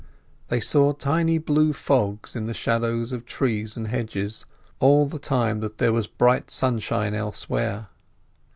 They saw tiny blue fogs in the shadows of trees and hedges, all the time that there was bright sunshine elsewhere.